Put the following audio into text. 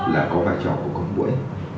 là có vai trò của con mũi